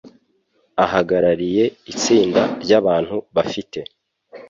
Ahagarariye itsinda ry’abantu bafite